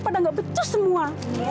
padahal gak becus semua